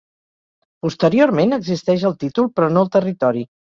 Posteriorment existeix el títol però no el territori.